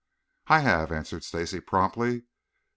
"I have," answered Stacy promptly.